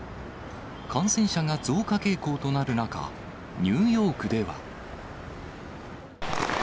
感染者が増加傾向となる中、ニューヨークでは。